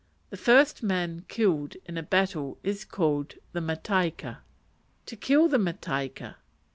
The first man killed in a battle was called the mataika. To kill the mataika.